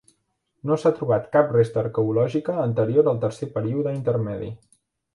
No s'ha trobat cap resta arqueològica anterior al tercer Període Intermedi.